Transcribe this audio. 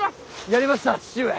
やりました父上！